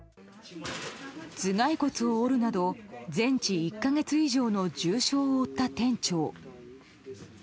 頭蓋骨を折るなど全治１か月以上の重傷を負った店長。